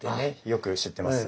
よく知ってます。